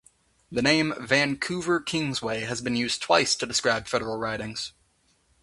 The name "Vancouver Kingsway" has been used twice to describe federal ridings.